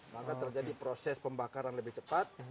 maka terjadi proses pembakaran lebih cepat